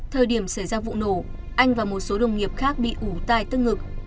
thời điểm xảy ra vụ nổ anh và một số đồng nghiệp khác bị ủ tài tức ngực